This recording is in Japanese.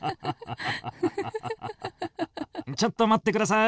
ちょっと待って下さい！